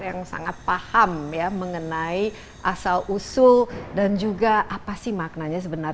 yang sangat paham ya mengenai asal usul dan juga apa sih maknanya sebenarnya